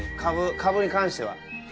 かぶに関しては。